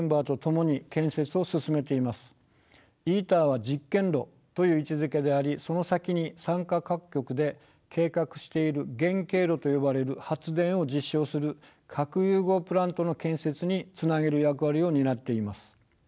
ＩＴＥＲは実験炉という位置づけでありその先に参加各極で計画している原型炉と呼ばれる発電を実証する核融合プラントの建設につなげる役割を担っています。